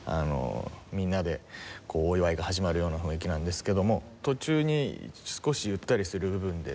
みんなでお祝いが始まるような雰囲気なんですけども途中に少しゆったりする部分でですね